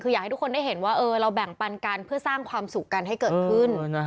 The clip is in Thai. คืออยากให้ทุกคนได้เห็นว่าเราแบ่งปันกันเพื่อสร้างความสุขกันให้เกิดขึ้น